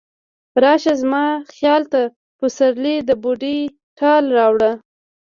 راشه زما خیال ته، پسرلی د بوډۍ ټال راوړه